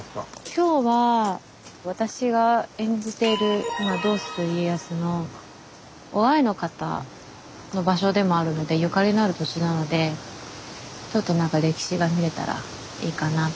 今日は私が演じている「どうする家康」の於愛の方の場所でもあるのでゆかりのある土地なのでちょっとなんか歴史が見れたらいいかなって思います。